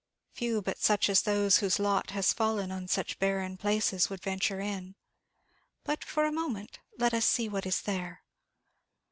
Few but such as those whose lot has fallen on such barren places would venture in; but for a moment let us see what is there.